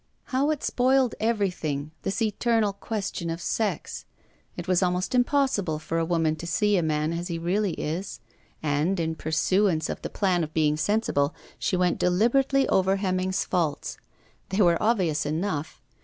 How it spoiled everything — this eternal ques tion of sex. .. It was almost impossible for a woman to see a man as he really is. And in pursuance of the plan of being sen sible, she went deliberately over Hemming's faults. They were obvious enough.